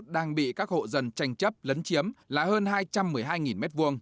đang bị các hộ dân tranh chấp lấn chiếm là hơn hai trăm một mươi hai m hai